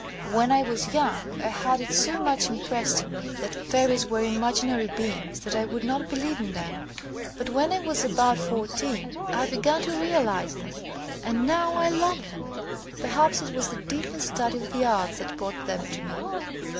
''When I was young I had it so much im pressed on me that fairies were imaginary beings that I would not believe in them, but when I was about fourteen I began to real ize them, and now I love them. Perhaps it was the deeper study of the arts that brought them to me.